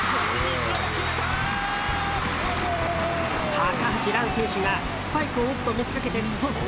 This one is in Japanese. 高橋藍選手がスパイクを打つと見せかけてトス。